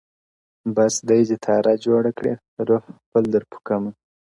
بس دی دي تا راجوړه کړي، روح خپل در پو کمه،